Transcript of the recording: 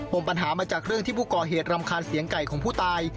มปัญหามาจากเรื่องที่ผู้ก่อเหตุรำคาญเสียงไก่ของผู้ตาย